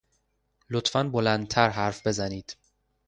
لطفا بلندتر حرف بزنید.